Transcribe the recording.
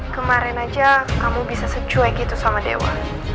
kemarin aja kamu bisa secuek gitu sama dewa